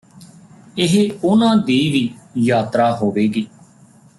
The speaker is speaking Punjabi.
ਇਹ ਉਹਨਾਂ ਦੀ ਵੀਂ ਯਾਤਰਾ ਹੋਵੇਗੀ